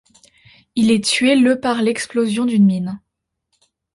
Il est tué le par l'explosion d'une mine.